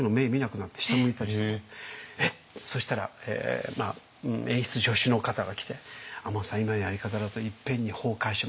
そしたら演出助手の方が来て「亞門さん今のやり方だといっぺんに崩壊します。